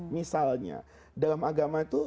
misalnya dalam agama itu